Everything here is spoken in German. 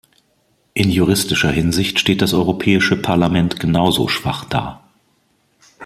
In juristischer Hinsicht steht das Europäische Parlament genauso schwach da.